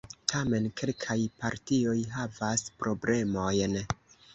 Tamen kelkaj partioj havas problemojn.